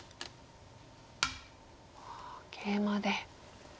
ケイマで。